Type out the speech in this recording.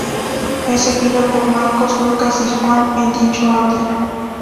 Es seguido por Marcos, Lucas, y Juan, en dicho orden.